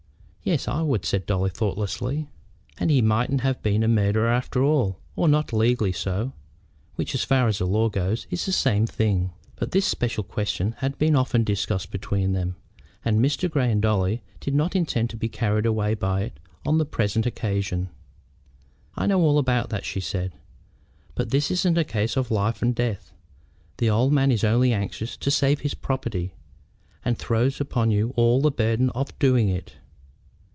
"Yes, I would," said Dolly, thoughtlessly. "And he mightn't have been a murderer after all; or not legally so, which as far as the law goes is the same thing." But this special question had been often discussed between them, and Mr. Grey and Dolly did not intend to be carried away by it on the present occasion. "I know all about that," she said; "but this isn't a case of life and death. The old man is only anxious to save his property, and throws upon you all the burden of doing it.